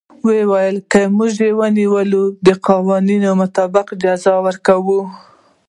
وايي که موږ ونيول د قوانينو مطابق جزا ورکوو.